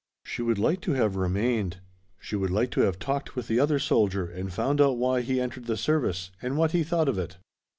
She would like to have remained; she would like to have talked with the other soldier and found out why he entered the service and what he thought of it.